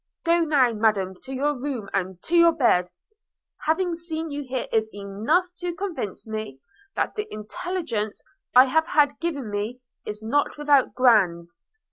Go now, Madam, to your room, and to your bed. Having seen you here is enough to convince me, that the intelligence I have had given me is not without grounds.